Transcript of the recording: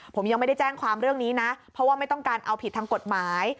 ผมยังไม่ได้แจ้งความเรื่องนี้นะเพราะว่าไม่ต้องการเอาผิดทางกฎหมาย